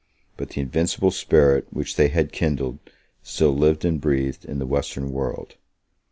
But the invincible spirit which they had kindled still lived and breathed in the Western world.